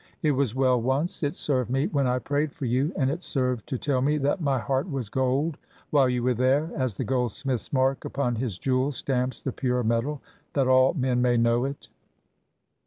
It was well once it served me when I prayed for you and it served to tell me that my heart was gold while you were there, as the goldsmith's mark upon his jewel stamps the pure metal, that all men may know it."